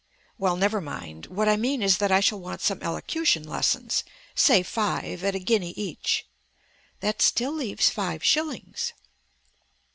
"Well, never mind. What I mean is that I shall want some elocution lessons. Say five, at a guinea each." "That still leaves five shillings."